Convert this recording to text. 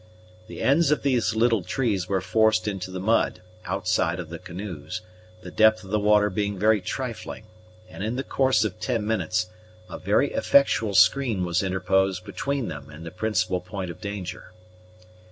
The ends of these little trees were forced into the mud, outside of the canoes, the depth of the water being very trifling; and in the course of ten minutes a very effectual screen was interposed between them and the principal point of danger.